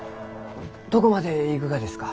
どこまで行くがですか？